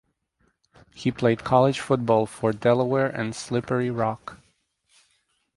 He played college football for Delaware and Slippery Rock.